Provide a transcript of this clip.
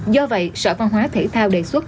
do vậy sở phong hóa thể thao đề xuất